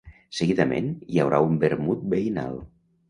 Seguidament, hi haurà un vermut veïnal.